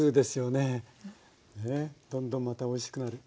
ねえどんどんまたおいしくなる。